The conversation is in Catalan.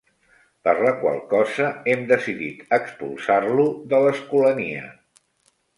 Per la qual cosa hem decidit expulsar-lo de l'Escolania.